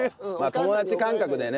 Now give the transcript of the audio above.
友達感覚でね。